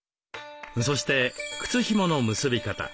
そして靴ひもの結び方。